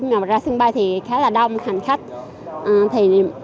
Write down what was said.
ngoài ra sân bay thì khá là đông hành khách